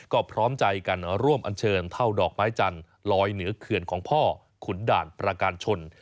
ก็พร้อมใจกันร่วมอันเชิญเท่าดอกไม้จันทร์ลอยเหนือเขื่อนของพ่อขุนด่านประการชน